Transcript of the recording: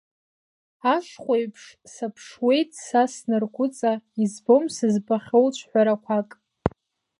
Ашхәеиԥш саԥшуеит са снаргәыҵа, избом сызбахьоу ҽҳәарақәак.